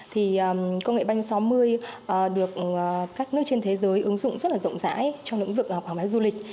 thì công nghệ banh sáu mươi được các nước trên thế giới ứng dụng rất là rộng rãi trong lĩnh vực quảng bá du lịch